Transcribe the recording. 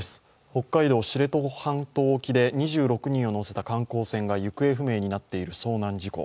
北海道知床半島沖で２６人を乗せた観光船が行方不明になっている遭難事故。